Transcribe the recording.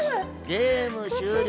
ゲーム終了。